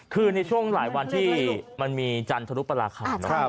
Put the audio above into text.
คือในช่วงหลายวันที่มันมีจันทรุปราคา